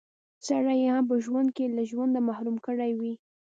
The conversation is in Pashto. سړی يې هم په ژوند کښې له ژونده محروم کړی وي